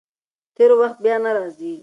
تېر وخت بیا نه راځي.